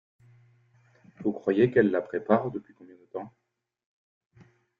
Vous croyez qu'elle la pr'epare depuis combien de temps.